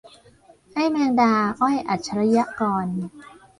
ไอ้แมงดา - อ้อย อัจฉริยกร